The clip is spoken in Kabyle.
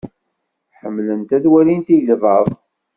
Ḥemmlent ad walint igḍaḍ.